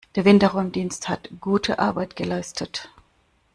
Der Winterräumdienst hat gute Arbeit geleistet.